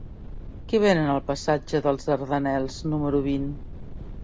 Què venen al passatge dels Dardanels número vint?